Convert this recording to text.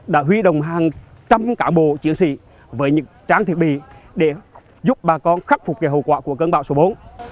đã huy động hàng trăm cán bộ chiến sĩ với những trang thiết bị để giúp bà con khắc phục hậu quả của cơn bão số bốn